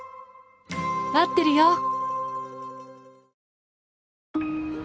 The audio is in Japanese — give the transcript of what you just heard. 待ってるよ！